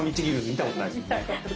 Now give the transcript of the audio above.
見たことない。